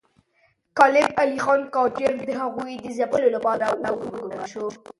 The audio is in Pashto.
کلب علي خان قاجار د هغه د ځپلو لپاره وګمارل شو.